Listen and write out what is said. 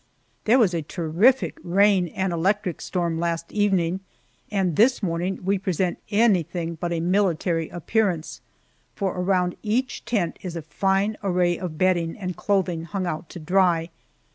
There was a terrific rain and electric storm last evening, and this morning we present anything but a military appearance, for around each tent is a fine array of bedding and clothing hung out to dry.